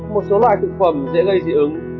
một số loại thực phẩm dễ gây dị ứng